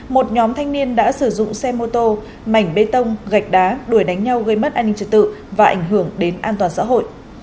một nhóm thanh niên đã sử dụng xe mô tô mảnh bê tông gạch đá đuổi đánh nhau gây mất an ninh trật tự và ảnh hưởng đến an toàn xã hội